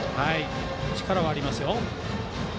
力はありますよ。